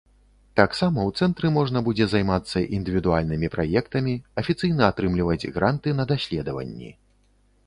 Таксама ў цэнтры можна будзе займацца індывідуальнымі праектамі, афіцыйна атрымліваць гранты на даследаванні.